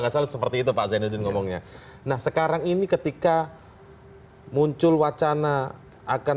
nggak salah seperti itu pak zainuddin ngomongnya nah sekarang ini ketika muncul wacana akan